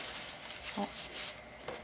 あっ。